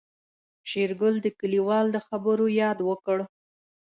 شېرګل د کليوال د خبرو ياد وکړ.